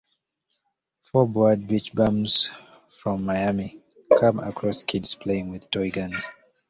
Four bored beach bums from Miami come across kids playing with toy guns.